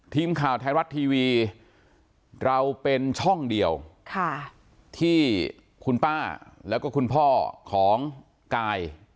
ทีมข่าวไทยรัฐทีวีเราเป็นช่องเดียวที่คุณป้าแล้วก็คุณพ่อของกาย